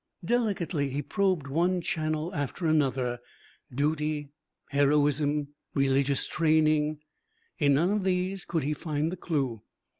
Delicately he probed one channel after another: duty, heroism, religious training, in none of these could he find the clue.